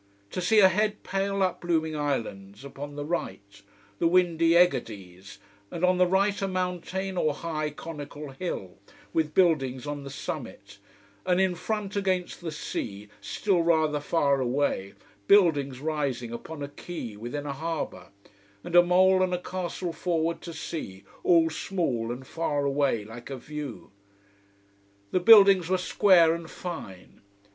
To see ahead pale, uplooming islands upon the right: the windy Egades: and on the right a mountain or high conical hill, with buildings on the summit: and in front against the sea, still rather far away, buildings rising upon a quay, within a harbor: and a mole, and a castle forward to sea, all small and far away, like a view. The buildings were square and fine.